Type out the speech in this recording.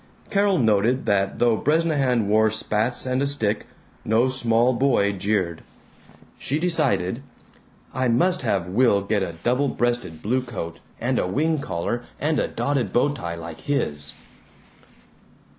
Carol noted that though Bresnahan wore spats and a stick, no small boy jeered. She decided, "I must have Will get a double breasted blue coat and a wing collar and a dotted bow tie like his."